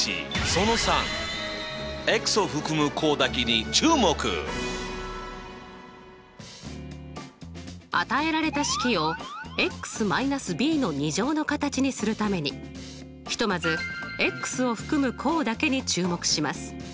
その３。与えられた式をの形にするためにひとまずを含む項だけに注目します。